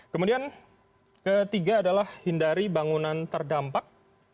kemudian ketiga adalah hindari bangunan terdampak